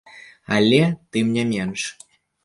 Але тым не менш.